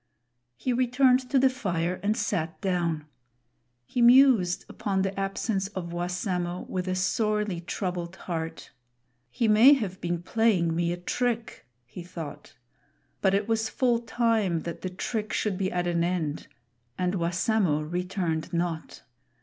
He returned to the fire and sat down. He mused upon the absence of Wassamo with a sorely troubled heart. "He may have been playing me a trick," he thought; but it was full time that the trick should be at an end, and Wassamo returned not.